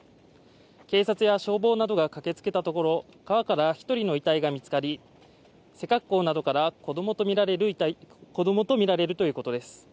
警察や消防などが駆けつけたところ、川から１人の遺体が見つかり、背格好などから子供とみられるということです。